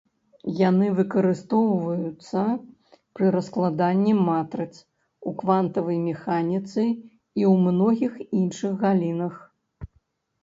Яны выкарыстоўваюцца пры раскладанні матрыц, у квантавай механіцы і ў многіх іншых галінах.